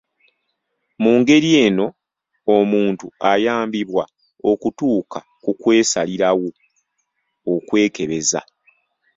Mu ngeri eno omuntu ayambibwa okutuuka ku kwesalirawo okwekebeza.